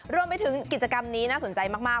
รวมไปถึงกิจกรรมนี้น่าสนใจมาก